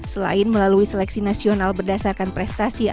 selain melalui seleksi nasional berdasarkan prestasi